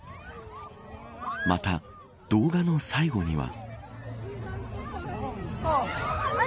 また動画の最後には。